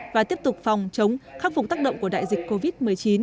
và tiếp tục phòng chống khắc phục tác động của đại dịch covid một mươi chín